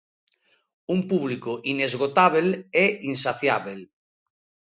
Un público inesgotábel e insaciábel.